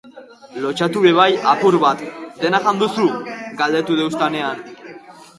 Lotsatu be bai apur bat, dena jan duzu? Galdetu deustanean.